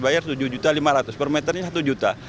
bayar rp tujuh lima ratus per meternya satu juta